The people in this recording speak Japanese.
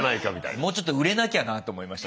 もうちょっと売れなきゃなと思いました